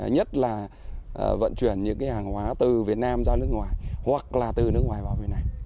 nhất là vận chuyển những cái hàng hóa từ việt nam ra nước ngoài hoặc là từ nước ngoài vào việt nam